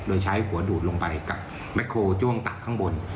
โดยใช้หัวดูดลงไปกับแม็กโครจ้วงตักข้างบน